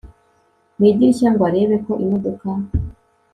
mwidirishya ngo arebe ko imodoka